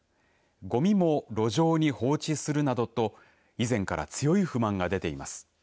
ごみも、路上に放置するなどと以前から強い不満が出ています。